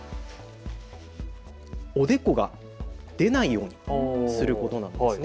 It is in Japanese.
ポイントがおでこが出ないようにすることなんです。